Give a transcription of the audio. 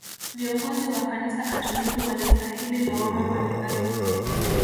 Viongozi wa kanisa katoliki walistahili lawama mbalimbali